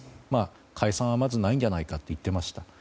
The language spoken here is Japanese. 解散はまずないんじゃないかと言ってました。